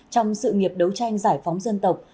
trong sự nghiệp đấu tranh giải phóng dân tộc